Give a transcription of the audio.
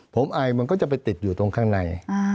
ผมไอมันก็จะไปติดอยู่ตรงข้างใน